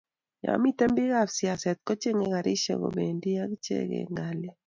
yo miten bikap siaset kochenge kuraishek, kobendi iche eng kelyek